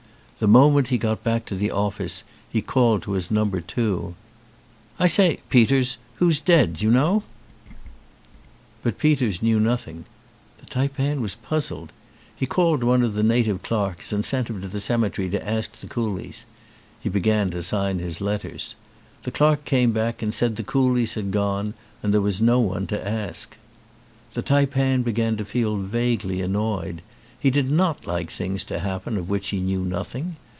The moment he got back to his office he called to his number two : "I say, Peters, who's dead, d'you know?" 198 THE TAIPAN But Peters knew nothing. The taipan was puz zled. He called one of the native clerks and sent him to the cemetery to ask the coolies. He began to sign his letters. The clerk came back and said the coolies had gone and there was no one to ask. The taipan began to feel vaguely annoyed : he did not like things to happen of which he knew nothing.